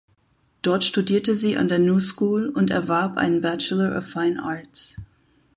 Dort studierte sie an der New School und erwarb einen Bachelor of Fine Arts.